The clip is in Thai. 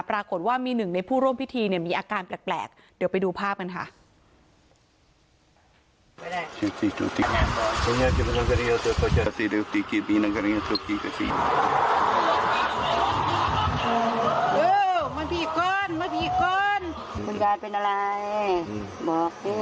ปรากฏว่ามีหนึ่งในผู้ร่วมพิธีเนี่ยมีอาการแปลกเดี๋ยวไปดูภาพกันค่ะ